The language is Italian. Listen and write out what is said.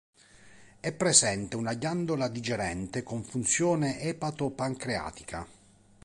È presente una ghiandola digerente con funzione epato-pancreatica.